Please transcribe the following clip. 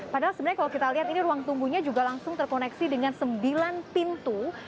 padahal sebenarnya kalau kita lihat ini ruang tunggunya juga langsung terkoneksi dengan sembilan pintu